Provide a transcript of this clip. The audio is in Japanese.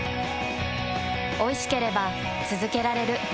おいしければつづけられる。